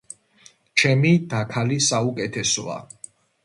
ჩემი დაქალი საუკეთესოა.